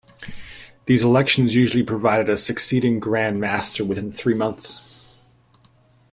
These elections usually provided a succeeding grand master within three months.